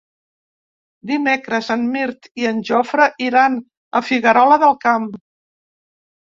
Dimecres en Mirt i en Jofre iran a Figuerola del Camp.